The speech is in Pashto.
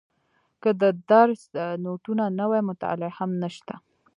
که د درس نوټونه نه وي مطالعه هم نشته.